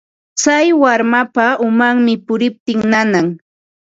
Tsay warmapa umanmi puriptin nanan.